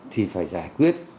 thì phải giải quyết